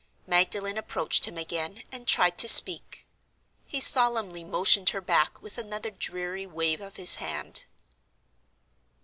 Magdalen approached him again, and tried to speak. He solemnly motioned her back with another dreary wave of his hand.